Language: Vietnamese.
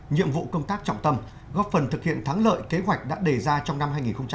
nhiệm vụ công tác trọng tâm góp phần thực hiện thắng lợi kế hoạch đã đề ra trong năm hai nghìn hai mươi